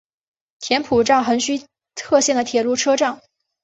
田浦站横须贺线的铁路车站。